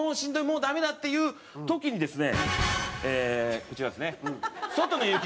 もうダメだ」っていう時にですねこちらですね。